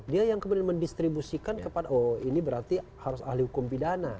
dia yang kemudian mendistribusikan kepada oh ini berarti harus ahli hukum pidana